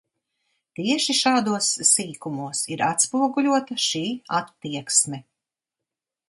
Tieši šādos sīkumos ir atspoguļota šī attieksme.